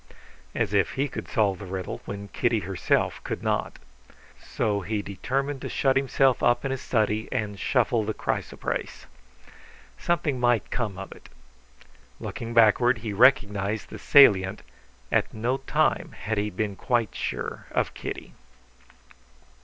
(As if he could solve the riddle when Kitty herself could not!) So he determined to shut himself up in his study and shuffle the chrysoprase. Something might come of it. Looking backward, he recognized the salient, at no time had he been quite sure of Kitty.